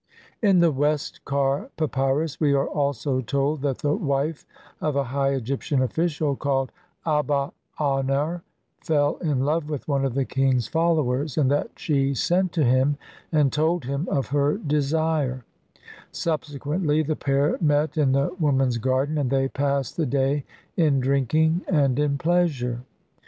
In the Westcar Papyrus we are also told that the wife of a high Egyptian official called Aba aner fell in love with one of the king's followers, and that she sent to him and told him of her desire ; subsequently the pair met in the woman's garden, and they passed the day in drinking and in pleasure.